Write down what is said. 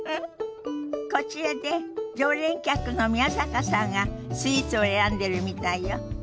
こちらで常連客の宮坂さんがスイーツを選んでるみたいよ。